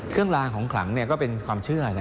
เครื่องรางของขลังก็เป็นความเชื่อ